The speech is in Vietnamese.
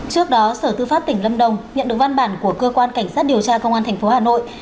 trước đó sở tư pháp tỉnh lâm đồng nhận được văn bản của cơ quan cảnh sát điều tra công an tp hà nội